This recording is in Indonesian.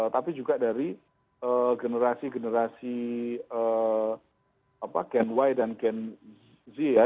tapi juga dari generasi generasi gen y dan gen z ya